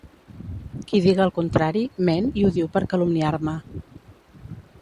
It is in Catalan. Qui diga el contrari ment i ho diu per calumniar-me.